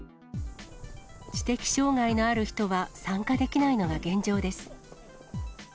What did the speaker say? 知的障がいのある人は参加できないのが現状です。